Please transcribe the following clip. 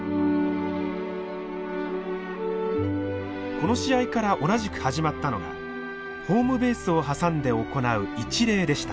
この試合から同じく始まったのがホームベースを挟んで行う一礼でした。